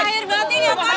siapa di bawah